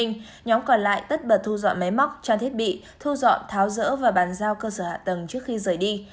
nhóm còn lại tất bật thu dọn máy móc trang thiết bị thu dọn tháo dỡ và bàn giao cơ sở hạ tầng trước khi rời đi